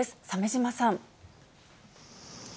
鮫島さん。